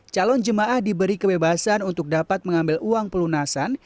calon jemaah diberi kebebasan untuk dapat mengambil uang pelunasan